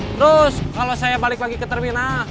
terus kalau saya balik lagi ke terminal